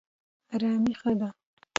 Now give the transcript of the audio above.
ارامي ښه ده.